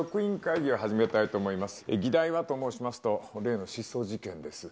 議題はと申しますと、例の失踪事件です。